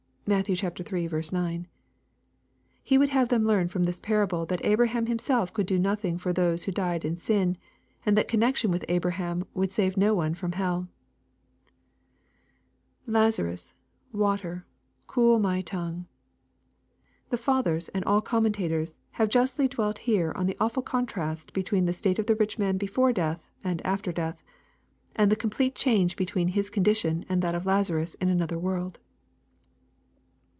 (Matt. iii. 9.) He would have them learn from this par able that Abraham himself could do nothing for those who died in sin, and that connection with Abraham would save no one from helL [Lazarus...water...cool my tongtte.] The fathers, and all com mentators have justly dwelt here on the awful contrast between the state of the rich man before death and after death, and the complete change between his condition and that of Lazarus in another world.